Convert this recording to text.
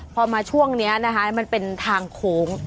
พอมาช่วงนี้นะคะมันเป็นทางโค้ง